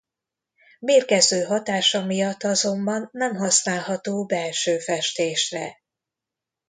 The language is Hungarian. Mérgező hatása miatt azonban nem használható belső festésre.